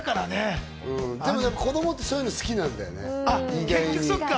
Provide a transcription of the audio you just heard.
子供ってそういうの好きなんだよね。